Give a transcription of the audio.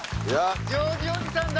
ジョージおじさんだ！